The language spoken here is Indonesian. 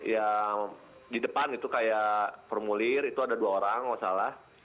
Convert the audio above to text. yang di depan itu kayak formulir itu ada dua orang nggak salah